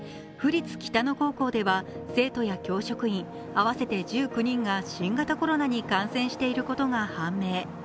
府立北野高校では生徒や教職員合わせて１９人が新型コロナに感染していることが判明。